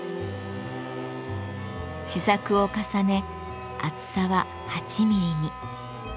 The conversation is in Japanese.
試作を重ね厚さは８ミリに。